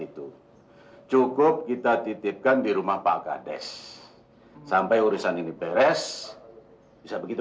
itu cukup kita titipkan di rumah pak kades sampai urusan ini beres bisa begitu